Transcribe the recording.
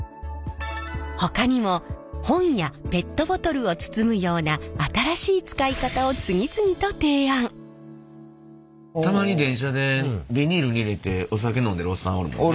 ほかにも本やペットボトルを包むようなたまに電車でビニールに入れてお酒飲んでるおっさんおるもんね。